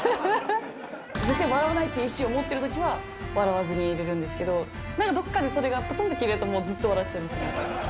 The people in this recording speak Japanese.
絶対笑わないっていう意思を持っているときは笑わずにいられるんですけど、何かどっかでぷつんと切れると、ずっと笑っちゃいますね。